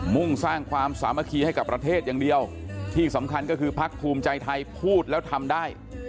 มุ่งสร้างความสามัคคีให้กับประเทศอย่างเดียวที่สำคัญก็คือพักภูมิใจไทยพูดแล้วทำได้